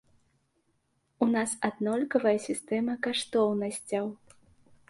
У нас аднолькавая сістэма каштоўнасцяў.